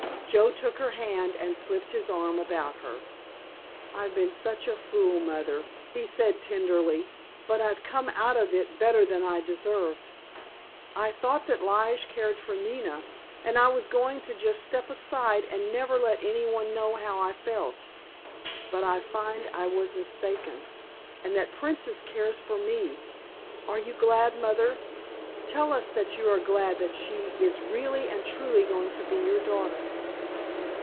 Joe took her hand and slipped his arm about her. "I've been a great fool, Mother," he said tenderly, "but I've come out of it better than I deserved. I thought that Lige cared for Nina, and I was going to just step aside and never let any one know how I felt. But I find I was mistaken, and that Princess cares for me. Are you glad, Mother? Tell us that you are glad she is really and truly going to be your daughter."